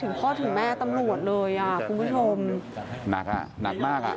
นักน่ะนักมาก